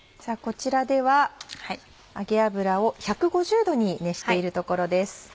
こちらでは揚げ油を１５０℃に熱しているところです。